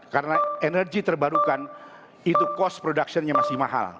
karena energi terbarukan itu cost productionnya masih mahal